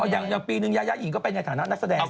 อ๋ออย่างปีหนึ่งยาอีกก็เป็นอย่างฐานะนักแสดง